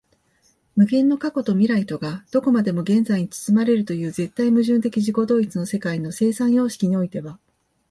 無限の過去と未来とがどこまでも現在に包まれるという絶対矛盾的自己同一の世界の生産様式においては、